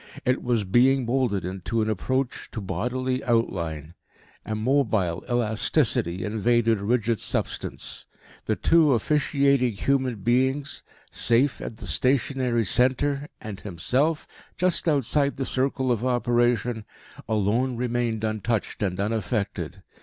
It was being moulded into an approach to bodily outline. A mobile elasticity invaded rigid substance. The two officiating human beings, safe at the stationary centre, and himself, just outside the circle of operation, alone remained untouched and unaffected.